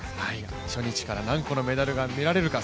初日から何個のメダルが見られるか。